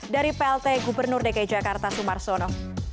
dari plt gubernur dki jakarta sumarsono